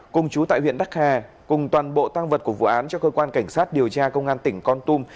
cùng chú tại huyện đắc hà cùng toàn bộ tăng vật của vụ án cho cơ quan cảnh sát điều tra công an tỉnh con tum